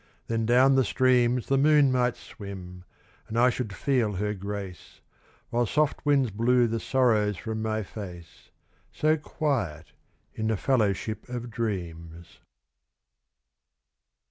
Then down the streams The moon might swim, and I should feel her grace, While soft winds blew the sorrows from my face, So quiet in the fellowship of dreams."